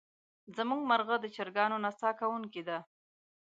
زمونږ مرغه د چرګانو نڅا کوونکې دی.